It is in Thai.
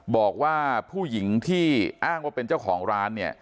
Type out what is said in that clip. บอกว่าผู้หญิงที่อ้างว่าเป็นเจ้าของร้านเนี่ย